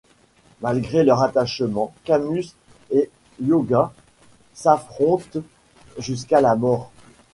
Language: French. Malgré leur attachement, Camus et Hyôga s’affrontent jusqu’à la mort.